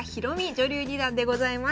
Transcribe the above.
女流二段でございます。